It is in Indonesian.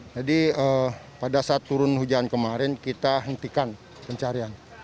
jadi pada saat turun hujan kemarin kita hentikan pencarian